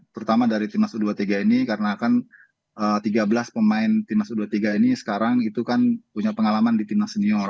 terutama dari timnas u dua puluh tiga ini karena kan tiga belas pemain timnas u dua puluh tiga ini sekarang itu kan punya pengalaman di timnas senior